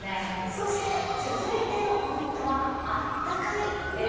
そして続いてのポイントは「あったかい」です。